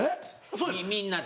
みんなで。